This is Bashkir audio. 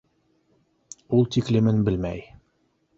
— Ул тиклемен белмәй.